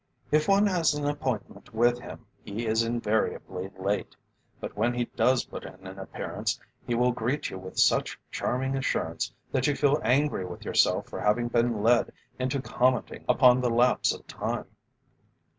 If one has an appointment with him, he is invariably late, but when he does put in an appearance, he will greet you with such charming assurance, that you feel angry with yourself for having been led into commenting upon the lapse of time.